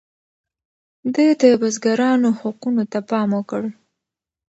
ده د بزګرانو حقونو ته پام وکړ.